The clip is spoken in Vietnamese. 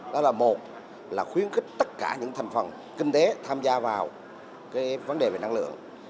đó là một là khuyến khích tất cả những thành phần kinh tế tham gia vào cái vấn đề về năng lượng